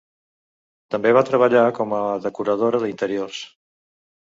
També va treballar com a decoradora d'interiors.